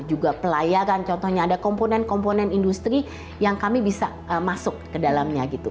juga pelayaran contohnya ada komponen komponen industri yang kami bisa masuk ke dalamnya gitu